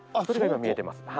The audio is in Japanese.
それが今見えてます。